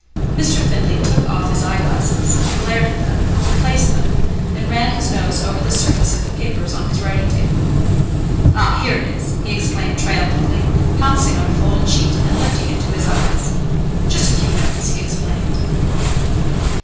Mr. Findlay took off his eyeglasses, glared at them, replaced them, and ran his nose over the surface of the papers on his writing table. "Ah, here it is!" he exclaimed triumphantly, pouncing on a folded sheet and lifting it to his eyes. "Just a few notes," he explained.